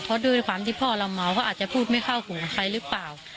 เพราะด้วยความที่พ่อเราเมาเขาอาจจะพูดไม่เข้าหูใครหรือเปล่า